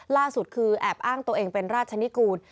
ล่าสุดคือแอบอ้างตัวเองเป็นราชนิกูล